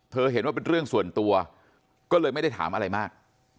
เห็นว่าเป็นเรื่องส่วนตัวก็เลยไม่ได้ถามอะไรมาก